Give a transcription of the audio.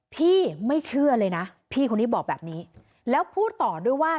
พี่ไม่เชื่อเลยนะพี่คนนี้บอกแบบนี้แล้วพูดต่อด้วยว่า